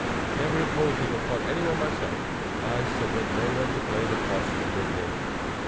Never imposing upon any one myself, I suffered no one to play the possum with me.